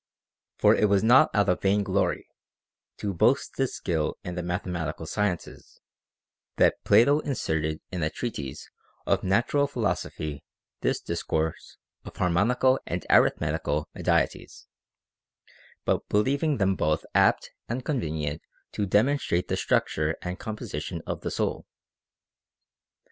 31. For it was not out of vain glory, to boast his skill in the mathematical sciences, that Plato inserted in a treatise of natural philosophy this discourse of harmonical and arithmetical medieties, but believing them both apt and convenient to demonstrate the structure and composition of the soul.